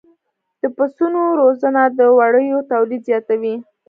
د پسونو روزنه د وړیو تولید زیاتوي.